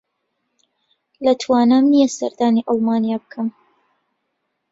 لە توانام نییە سەردانی ئەڵمانیا بکەم.